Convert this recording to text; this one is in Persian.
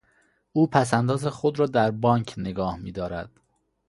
او پس انداز خود را در بانک نگاه میدارد.